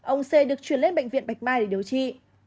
ông c được chuyển lên bệnh viện bạch mai để điều trị